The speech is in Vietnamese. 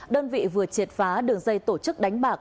đơn vị vừa triệt phá đường dây tổ chức đánh bạc